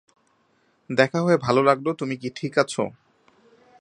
দেখা হয়ে ভালো লাগলো তুমি কি ঠিক আছো?